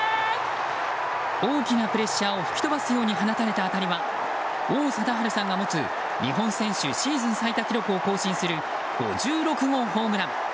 大きなプレッシャーを吹き飛ばすように放たれた当たりは王貞治さんが持つ日本選手シーズン最多記録を更新する５６号ホームラン。